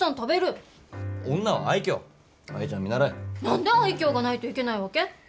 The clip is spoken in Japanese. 何で愛嬌がないといけないわけ？